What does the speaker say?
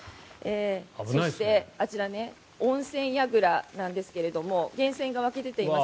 そして、あちら温泉やぐらなんですけど源泉が湧き出ています。